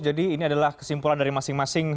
jadi ini adalah kesimpulan dari masing masing